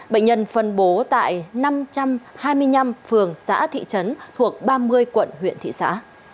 bệnh nhân phân bố tại năm trăm hai mươi năm phường xã thị trấn thuộc ba mươi quận huyện thị xã